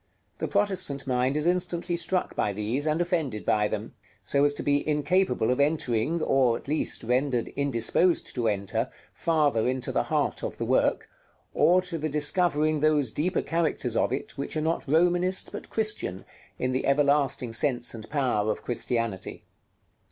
The Protestant mind is instantly struck by these, and offended by them, so as to be incapable of entering, or at least rendered indisposed to enter, farther into the heart of the work, or to the discovering those deeper characters of it, which are not Romanist, but Christian, in the everlasting sense and power of Christianity.